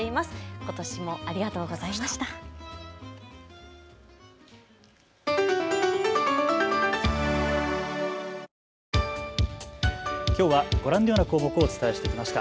ことしもありがとうございました。